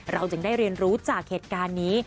เราจึงได้เรียนรู้จากเหตุการณ์นี้